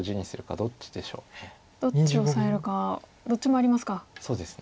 どっちをオサえるかどっちもありますか。